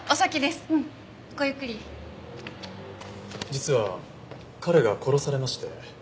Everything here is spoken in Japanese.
実は彼が殺されまして。